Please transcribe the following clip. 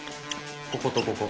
こことここ。